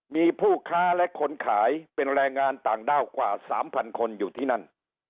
มีผู้ค้าและคนขายเป็นแรงงานต่างด้าวกว่า๓๐๐คนอยู่ที่นั่น